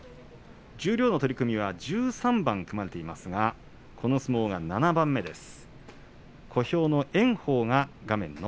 十両の取組が１３番組まれていますがこの相撲が７番目です。